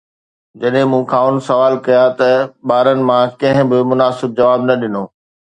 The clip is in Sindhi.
جڏهن مون کانئن ڪجهه سوال ڪيا ته ٻارن مان ڪنهن به مناسب جواب نه ڏنو